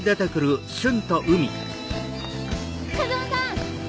風間さん！